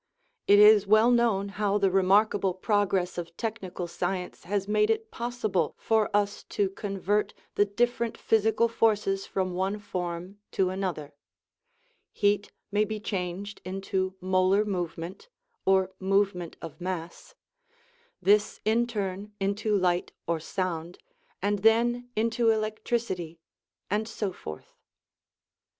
It is well known how the remark able progress of technical science has made it possible for us to convert the different physical forces from one form to another; heat may be changed into molar movement, or movement of mass; this in turn into light or sound, and then into electricity, and so forth.